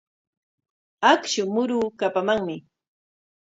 Akshu muruu kapamanmi.